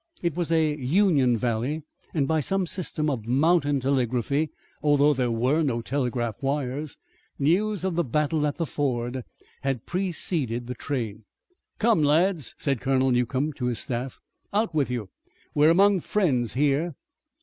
It was a Union valley and by some system of mountain telegraphy, although there were no telegraph wires, news of the battle at the ford had preceded the train. "Come, lads," said Colonel Newcomb to his staff. "Out with you! We're among friends here!"